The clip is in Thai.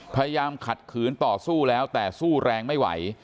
ขัดขืนต่อสู้แล้วแต่สู้แรงไม่ไหว